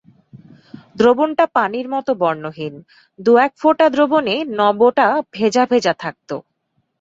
দ্রবণটা পানির মতো বর্ণহীন, দু-এক ফোঁটা দ্রবণে নবটা ভেজা-ভেজা থাকত।